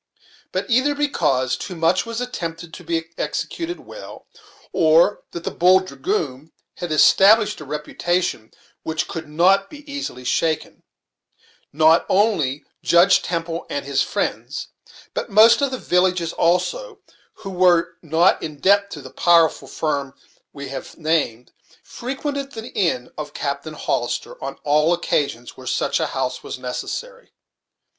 But, either because too much was attempted to be executed well, or that the "Bold Dragoon" had established a reputation which could not be easily shaken, not only Judge Temple and his friends, but most of the villagers also, who were not in debt to the powerful firm we have named, frequented the inn of Captain Hollister on all occasions where such a house was necessary.